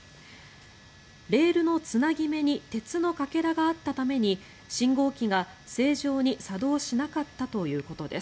レールのつなぎ目に鉄のかけらがあったために信号機が正常に作動しなかったということです。